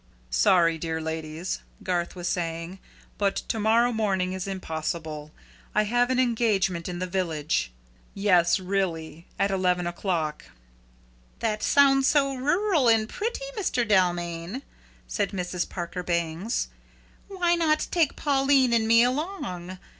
"Sorry, dear ladies," Garth was saying, "but to morrow morning is impossible. I have an engagement in the village. Yes really! At eleven o'clock." "That sounds so rural and pretty, Mr. Dalmain," said Mrs. Parker Bangs. "Why not take Pauline and me along?